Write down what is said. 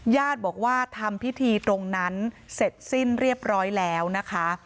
ญาติบอกว่าทำพิธีตรงนั้นเสร็จสิ้นเรียบร้อยแล้วนะคะ